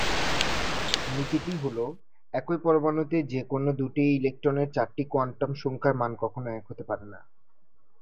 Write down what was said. নীতিটি হল,-" একই পরমাণুতে যে কোন দুটি ইলেকট্রনের চারটি কোয়ান্টাম সংখ্যার মান কখনো এক হতে পারে না।"